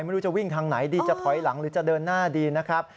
ไม่รู้จะวิ่งทางไหนดีจะถอยหลังหรือจะเดินหน้าดีนะครับ